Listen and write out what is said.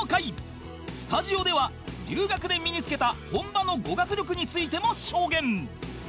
スタジオでは留学で身につけた本場の語学力についても証言